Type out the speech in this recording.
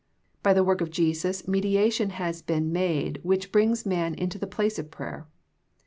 By the work of Jesus mediation has been made which brings man into the place of prayer.